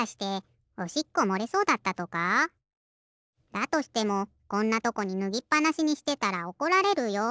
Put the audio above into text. だとしてもこんなとこにぬぎっぱなしにしてたらおこられるよ。